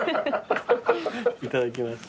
いただきます。